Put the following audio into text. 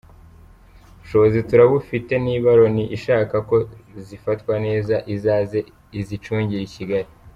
Ubushobozi turabufite, niba Loni ishaka ko zifatwa neza, izaze izicungire i Kigali.